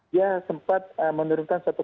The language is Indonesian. dia sempat menurunkan satu tiga ton